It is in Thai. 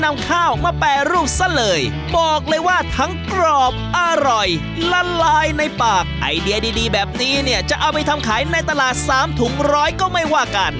ไอเดียดีแบบนี้เนี่ยจะเอาไปทำขายในตลาด๓ถุงร้อยก็ไม่ว่ากัน